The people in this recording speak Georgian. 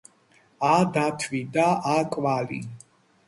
ა დათვი და ა, კვალი!